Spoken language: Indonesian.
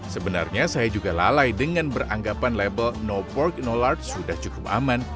sebenarnya saya juga lalai dengan beranggapan label no pork no lard sudah cukup aman